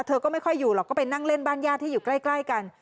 เธอก็ไม่ค่อยอยู่หรอกก็ไปนั่งเล่นบ้านญาติที่อยู่ใกล้กัน